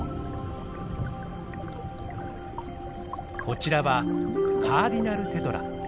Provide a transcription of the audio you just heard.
こちらはカーディナルテトラ。